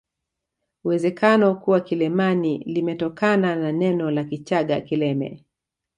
Uwezekano kuwa Kilemani limetokana na neno la Kichaga kileme